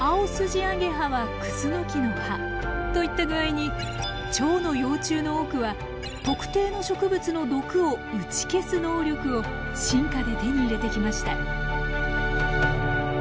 アゲハはクスノキの葉といった具合にチョウの幼虫の多くは特定の植物の毒を打ち消す能力を進化で手に入れてきました。